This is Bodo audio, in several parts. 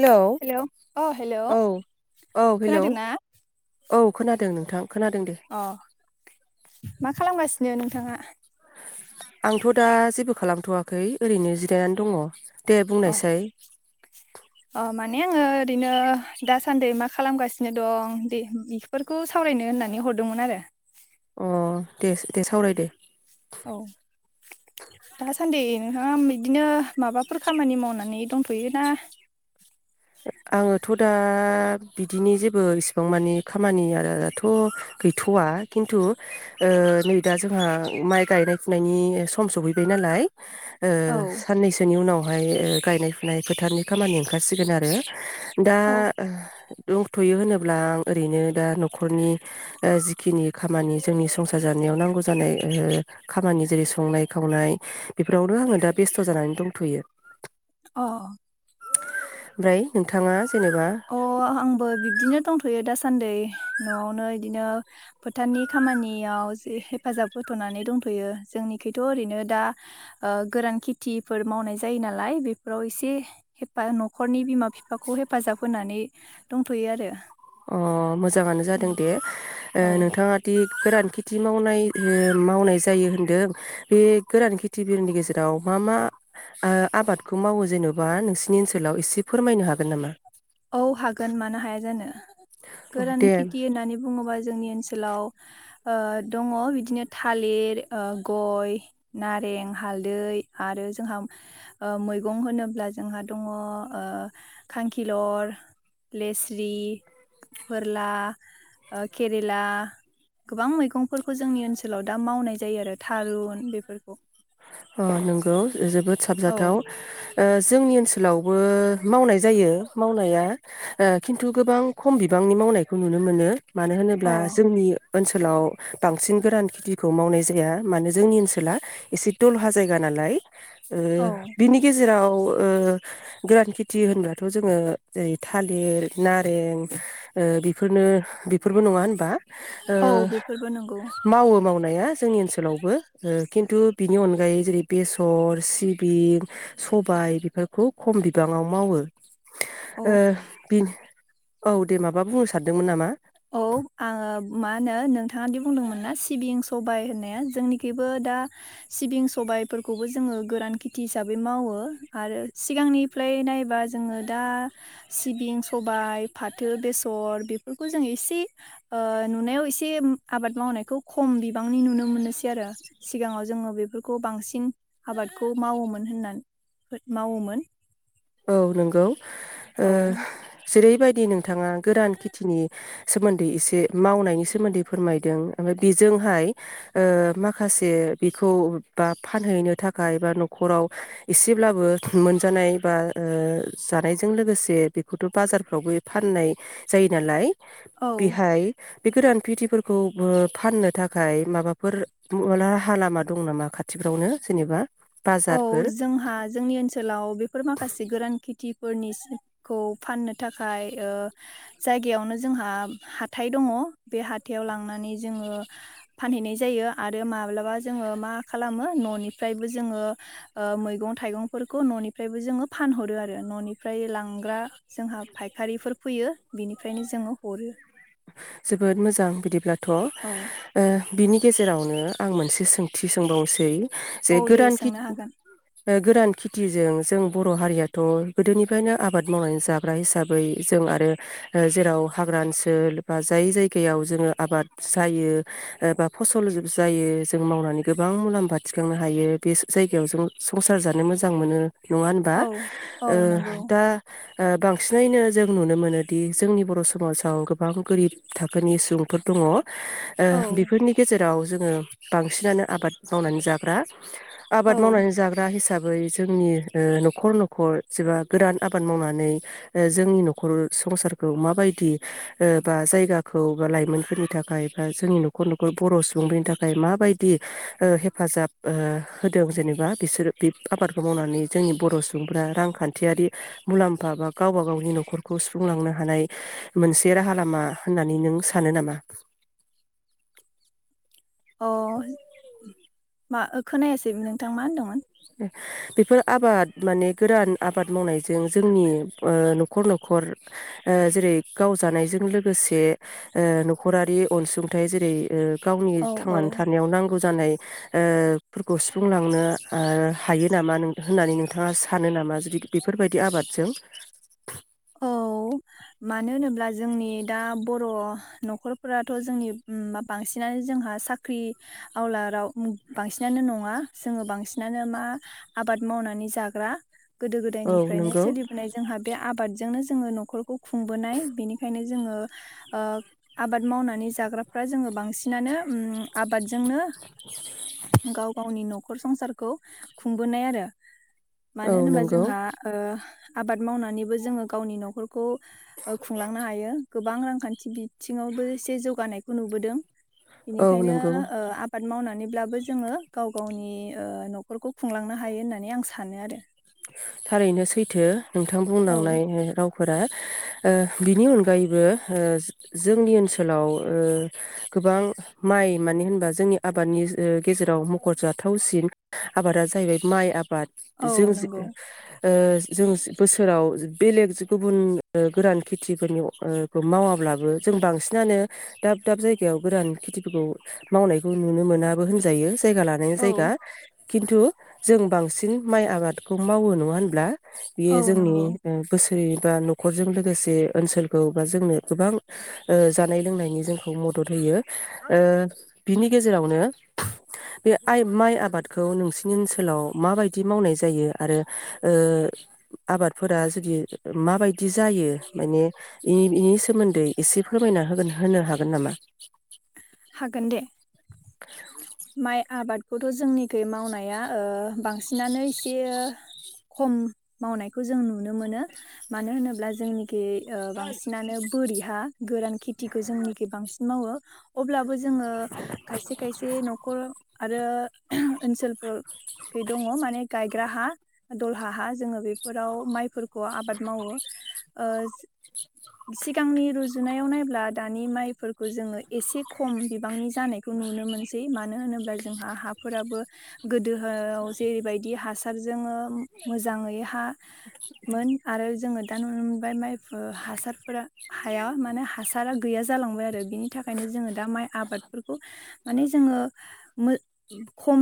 हेलौ अ हेलौ औ औ हेलौ खोनादोंना औ खोनादोंनो अ मा खालामगासिनो नोंथाङा? आंथ' दा जेबो खालामथ'वाखै ओरैनो जिरायनानै दङ। दे अ बुंनायसै। अ माने आङो ओरैनो दा सान्दै मा खालामगासिनो दं दे बेफोरखौ सावरायनो होननानै हरदोंमोन आरो अ दे दे सावराय दे औ दासान्दि नोंहा बिदिनो माबाफोर खामानि मावनानै दंथ'योना। आङोथ' दा बिदिनि जेबो इसिबां मानि खामानियाथ' गैथ'वा खिन्थु ओ नै दा जोंहा माइ गायनाय फुनायनि सम सहैबाय नालाय ओ औ साननैसोनि उनाव बेहाय गायनाय फुनाय फोथारनि खामानि ओंखारसिगोन आरो बे दा औ दंथ'यो होनो अब्ला आं ओरैनो दा न'खरनि ओ जिखिनि खामानि जोंनि संसार जानायाव नांगौ जानाय खामानि जेरै संनाय खावनाय बेफोरावनो आङो दा बेस्थ' जानानै दंथ'यो। अ ओमफ्राय नोंथाङा जेनेबा अ आंबो बिब्दिनो दंथ' थ'यो दासान्दि न'आवनो बिदिनो फोथारनि खामानियाव जे हेफाजाब होथ'नानै दंथ'यो जोंनिखथ' ओरैनो दा गोरान खेथिफोर मावनाय जायो नालाय बेफोराव एसे हेफा न'खरनि बिमा बि बिफाखौ हेफाजाब होनानै दंथ'यो आरो अ मोजाङानो जादों दे ओ औ नोंथाङा दि गोरान खेथि मावनाय मावनाय जायो होनदों बे गोरान खेथि बिलनि गेजेराव मा मा ओ आबादखौ मावो जेन'बा नोंसिनि ओनसोलाव एसे फोरमायनो हागोन नामा? औ हागोन मानो हाया जानो औ गोरान दे खेथि होननानै बुङोबा जोंनि ओनसोलाव ओ दङ बिदिनो थालिर ओ गय नारें हालदै आरो जोंहा ओ मैगं होनोब्ला जोंहा दङ ओ खांखि लर लेस्रि फोरला ओ केरेला गोबां मैगंफोरखौ जोंनि ओनसोलाव दा मावनाय जायो आरो थारुन बेफोरखौ। अ नोंगौ जोबोद औ। साबजाथाव ओ जोंनि ओनसोलावबो मावनाय जायो मावनाया खिन्थु गोबां खम बिबांनि मावनायखौ नुनो मोनो। मानो अ होनोब्ला औ जोंनि ओनसो ओनसोलाव बांसिन गोरान खेथिखौ मावनाय जाया मानो जोंनि ओनसोला एसे दलहा जायगा नालाय ओ बिनि गेजेराव ओ गोरान खेटि होनबाथ' जोङो थालिर नारें ओ बिफोरनो बिफोरबो नङा ओ औ बेफोरबो नंगौ मावो माव नाया‌ जोंनि ओनसोलावबो ओ खिन्थु बिनि अनगायै जेरै बेसर सिबिं सबाय बेफोरखौ खम बिबाङाव मावो औ ओ बिन‌ औ दे माबा बुंनो सानदोंमोन नामा? औ आङो मा होनो नोंथाङादि बुंदोंमोन ना सिबिं सबाय होननाया जोंनिखिबो दा सिबिं सबायफोरखौबो जोङो गोरान खेथि हिसाबै मावो आरो सिगांनिफ्राय नायबा जोङो दा सिबिं सबाय फाथो बेसर बेफोर खौ जों एसे ओ नुनायाव एसे आबाद मावनायखौ खम बिबांनि नुनो मोननोसै आरो सिगाङाव जोङो बेफोरखौ बांसिन आबादखौ मावोमोन होनना मावोमोन औ नंगौ ओ औ जेरैबायदि नोंथाङा गोरान खेथिनि सोमोन्दै एसे मावनायनि सोमोन्दै फोरमायदों ओमफ्राय बेजोंहाय ओ माखासे बेखौ बा फानहैनो थाखाय बा न'खराव एसेब्लाबो मोनजानाय बा ओ जानायजों लोगोसे बेखौथ' बाजारफ्रावबो फाननाय जायो नालाय औ बिहाय बे गोरान खेथिफोरखौ बो‌ फाननो थाखाय माबाफोर माबा राहा लामा दं नामा खाथिफ्रावनो जेनेबा औ बाजारफोर जोंहा जोंनि ओनसोलाव बेफोर माख माखासे गोरान खेथिफोरनिसिखौ फाननो थाखाय ओ जायगायावनो जोंहा हाथाइ दङ' बे हाथायाव लांनानै जोङो फानहैनाय जायो आरो माब्लाबा जोङो मा खालामो न'निफ्रायबो जोङो ओ मैगं थाइगंफोरखौ न'निफ्रायबो जोङो फानहरो आरो न'निफ्राय लांग्रा जोंहा फायखारिफोर फैयो बिनिफ्रायनो जोङो हरो। थ' ओ औ बिनि गेजेरावनो आं मोनसे सोंथि सोंबावसै [unintelligible] जे औ दे गोदान खे सोंनो हागोन गोरान खेथिजों जों बर' हारियाथ' गोदोनिफ्रायनो आबाद मावनानै जा ग्रा हिसाबै जों आरो जेराव हाग्रा ओनसोल बा जाय जायगायाव जोङो आबाद जायो बा फसल ज-जायो जों मावनानै गोबां मुलाम्फा थिखांनो हायो बे ज-जायगायाव जों संसार जानो मोजां मोनो नङा होनबा औ औ ओ नंगौ दा ओ बांसिनैनो जों नुनो मोनोदि जोंनि बर' समाजाव गोबां गोरिब थाखोनि सुबुंफोर दङ' ओ औ बेफोरनि गेजेर राव जोङो बांसिनानो आबाद मावनानै जाग्रा औ आबाद मावनानै जाग्रा हिसाब बै जोंनि ओ न'खर न'खर जबा गोरान आबाद मावना नै ओ जोंनि न'खर संसारखौ माबायदिओ बा जायगाखौ बा लाइमोनफोरनि थाखाय बा जोंनि नखर नखर बर' सुबुंफोरनि थाखाय माबायदि ओ हेफाजाब ओ होदों जेनेबा बिसोरो बे आबादखौ मावनानै जोंनि बर' सुबुंफोरा रांखान्थियारि मुलाम्फ माबा गावबा गावनि न'खरखौ सुफुंलांनो हानाय मोनसे राहा लामा होननानै नों सानो नामा? अ मा खोनायासै नोंथां मा होनदोंमोन? बेफोर आबाद माने गोरान आबाद मावनायजों जोंनि ओ न'खर न'खर ओ जेरै गावजानायजों लोगोसे न'खरारि अनसुंथाइ जेरै ओ गावनि औ औ थांनानै थानायाव नांगौ जानाय ओ बेफोरखौ सुफुंलांनो ओ हायो नामा नों होननानै नोंथाङा सानो नामा जुदि बेफोरबायदि आबादजों औ मानो होनोब्ला जोंनि दा बर' न'खरफोराथ' जोंनि बांसिनानो जोंहा साख्रि आवलाराव बांसिनानो नङा जोङो बांसिनानो मा आबाद मावनानै जाग्रा। गोदो औ गोदायनिफ्रायनो नंगौ सोलिबोनाय जोंहा बे आब जोंनो जोङो न'खरखौ खुंबोनाय बेनिखायनो जोङो ओ आबाद मावनानै जाग्राफ्रा जोङो बांसिनानो ओ आबादजोंनो गाव गावनि न'ख'र संसारखौ खुंबोनाय आरो। मानो औ होनोबा नंगौ जोंहा ओ आबाद मावनानै बो जोङो गावनि न'खरखौ खुंलांनो हायो गोबां रांखान्थि बिथिङावबो एसे जौगानायखौ नुबोदों औ बेनिखायनो नंगौ ओ आबाद मावनानै बिदिब्लाबो जोङो गाव गावनि ओ न'खरखौ खुंलांनो हायो होननानै आं सानो आरो। थारैनो सैथो नोंथां औ बुंलांनाय रावफोरा ओ बिनि अनगायैबो ओ जोंनि ओनसोलाव ओ गोबां माइ मानो होनबा जोंनि आबादनि गेजेराव मखरजाथावसिन आबादा जाहैबाय माइ आबाद बाद औ जों नंगौ ए जों बोसोराव बेलेग गुबुन गोरान खेथिफोरनि मावाब्लाबो जों बांसिनानो दाब दाब जायगायाव गोरान खेथिफोरखौ मावनायखौ नुनो मोनाबो होनजायो जायगा लानायनि औ जायगा खिन्थु जों बांसिन माइ आबाद खौ मावो नङा होनब्ला बेयो औ जोंनि नंगौ बोसोर बा न'खरजों लोगोसे ओनसोलखौ बा जोंनो गोबां ओ जानाय लोंनायनि जोंखौ मदद होयो ओ बिनि गेजेरावनो बे आइ माइ आबादखौ नोंसिनि ओनसोलाव माबायदि मावनाय जायो। आरो ओ आबादफोरा जुदि माबायदि जायो माने बेनि सोमोन्दै एसे फोरमायना होगोन होनो हागोन नामा? हागोन दे माइ आबादखौथ' जोंनिखै मावनाया ओ बांसिनानो ए खम मावनायखौ जों नुनो मोनो मानो होनोब्ला जोंनि खि बांसिनानो बोरि हा गोरान खेथिखौ जोंनिखै बांसिन मावो। अब्लाबो जोङो खायसे खायसे न न'खर आरो ओनसोलफोराव दङ माने गायग्रा हा दल हा जोङो बे फोराव माइफोरखौ आबाद मावो ओ सिगांनि रुजुनायाव नायब्ला दानि माइफोरखौ जोङो एसे खम बिबांनि ज जानायखौ नुनो मोनसै मा मानो होनोब्ला जोंहा हाफोराबो गोद दोहोआव जेरैबायदि हास थाब जोङो मो मोजाङै हा मोन आरो जोङो दा नुनो मोनबाय माइ हासारफोरा हाया माने हासारा गैया जालांबाय आरो बिनि थाखायनो जोङो दा माइ आबादफोरखौ माने जोङो मो खम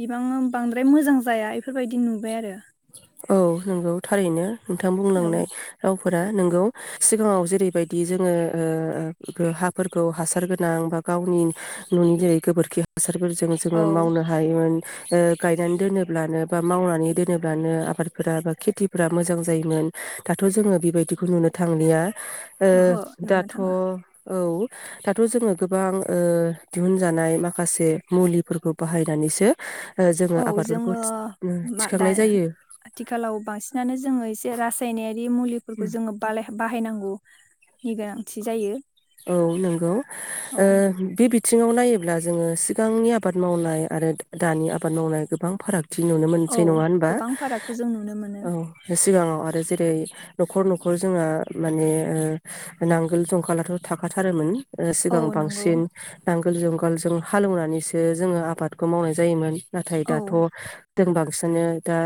बिबाङाव बांद्राय मोजां जाया इफोरबायदि नुबाय आरो। औ नंगौ थारैनो। नोंथां बुंलांनाय औ राव फोरा नोंगौ सिगाङाव जेरैबायदि जोङो ओ हाफोरखौ हासार गोनां बा गावनि न'नि जेरै गोबोरखि हास हासारफोरजों जोङो औ मावनो हायोमोन। ओ गायनानै दोनोब्लानो बा मावनानै दोनोब्लानो आफादफोरा खेथिफोरा मोजां जायोमोन दाथ' जोङो बेबायदिखौ नुनो थांलिया। ओ ओहो नुनो दाथ' औ थाङा दाथ' जोङो गोबां ओ दिहुनजानाय माखासे मुलिफोरखौ बाहायनानैसो ओ जोङो औ आबादफोरखौ जोङो थि ओं मा दा थिखांनाय जायो। आथिखालाव बांसिनानो जोङो एसे रासायनेयारि फोरखौ जोङो बाले बाहायनांगौ। औ नोंगौ औ ओ बे बिथ थिङाव नायोब्ला जोङो सिगांनि आबाद मावनाय आरो दा दानि आबाद मावनाय गोबां फाराग थि नुनो औ मोनसै नङा होनबा गोबां फारागखौ जों नुनो मोनो औ सिगाङाव आरो जेरै न'खर न'खर जोंहा माने ओ नांगोल जंखालाथ' थाखाथारोमोन। ओ औ सिगां नंगौ बांसिन नांगोल जुंग नांगोलजों हालोवनानैसो जोङो आबादखौ मावनाय जायोमोन। नाथाय दाथ' दों बांस माने दा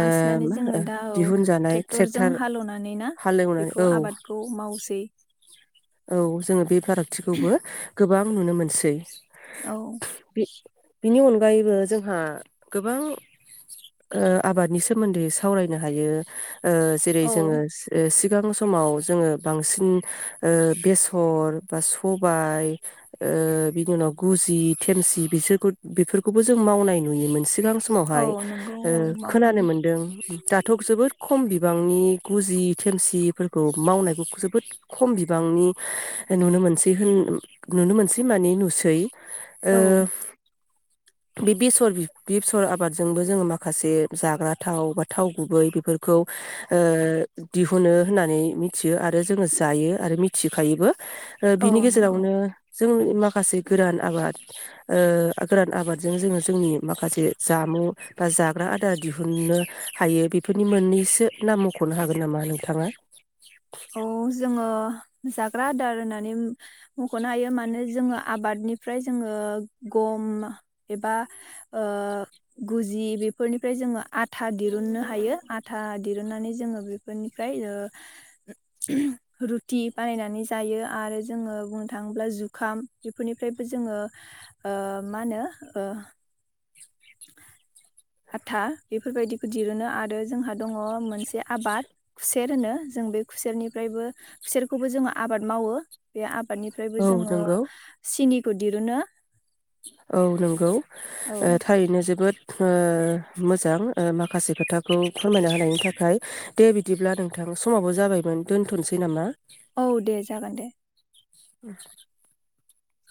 ओ मा जोङो दा औ दिहुनजानाय थेकटरजों ट्रेक्टार हालोवनानै ना हालेवनानै बेखौ औ आबादखौ मावसो [unintelligible] औ जोङो बे फारागथिखौबो गोबां नुनो मोनसै। औ। बे बिनि अनगायैबो जोंहा गोबां ओ आबादनि सोमोन्दै सावरायनो हायो। ओ जेरै औ जोङो स ओ सिब सिगां समाव जोङो बांसिन ओ बेसर बा सबाय ओ बिनि उनाव गुजि थेमसि बिसोरखौथ बेफोरखौबो जों मावनाय नुयोमोनस सिगां औ समावहाय नंगौ औ ओ खोनानो मावोमोन मोनदों उम दाथ' जोबोद खम बिबांनि गुजि थेमसिफोरखौ मावनायखौ जोबोद खम बि बिबांनि नुनो मोनसै होन उम नुनो मोनसै माने नुसै ओ। औ बे बेसर बि बेसर आबादजोंबो जोङो माखासे जाग्रा थाव बा थाव गुबै बेफोरखौ ओ दिहुनो होननानै मिथियो आरो जोङो जायो। आरो मिथिखायोबो ओ औ बिनि नंगौ गेजेरावनो जों माखासे गोरान आबाद ओ गोरान आबाद जों जोङो जोंनि माखासे जामु बा जाग्रा आदार दिहुननो हायो बेफोरनि मोननैसो नाम मख'नो हागोन नामा नोंथाङा? अ जोङो जाग्रा आदार होननानै मख'नो हायो मानो जोङो आबादनिफ्राय जोङो गम एबा गुजि बेफोरनिफ्राय जोङो। आथा दिरुननो हायो आथा दिरुन नानै जोङो बेफोरनिफ्राय ओ। रुथि बानायनानै जायो आरो जोङो बुंनो थाङोब्ला जुखाम बेफोरनिफ्रायबो जोङो ओ मा होनो ओ। आथा बेफोरबायदिखौ दिरुनो आरो जोंहा दङ मोनसे आबाद सेर होनो जों बे खुसेरनिफ्रायबो खुसेरखौबो जोङो आबाद मावो बे आ निफ्रायबो औ जोङो नंगौ सिनि बो दिरुनो औ नोंगौ। औ ओ थारैनो जोबोद। ओ मोजां ओ माखासे खोथाखौ फोरमायना हायनि थाखाय दे बिदिब्ला नोंथां समावबो जाबायमोन दोनथ'नसै नामा? औ दे जागोन दे। [inaudible]